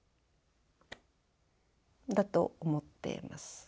だと思っています。